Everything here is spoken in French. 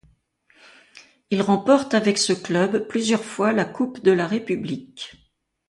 Il remporte avec ce club plusieurs fois la Coupe de la République.